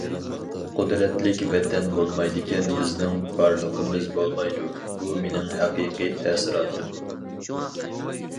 قۇدرەتلىك ۋەتەن بولمايدىكەن، بىزنىڭ بارلىقىمىز بولمايدۇ، بۇ، مېنىڭ ھەقىقىي تەسىراتىم.